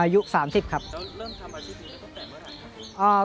แล้วเริ่มทำอาชีพตั้งแต่เมื่อไหนครับ